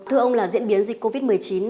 thưa ông là diễn biến dịch covid một mươi chín